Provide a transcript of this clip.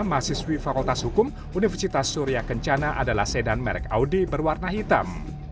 mahasiswi fakultas hukum universitas surya kencana adalah sedan merek audi berwarna hitam